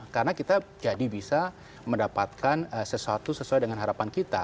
karena kita jadi bisa mendapatkan sesuatu sesuai dengan harapan kita